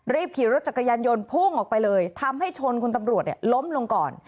ขี่รถจักรยานยนต์พุ่งออกไปเลยทำให้ชนคุณตำรวจล้มลงก่อน